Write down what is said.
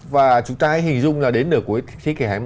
và chúng ta hãy hình dung là đến nửa cuối thế kỷ hai mươi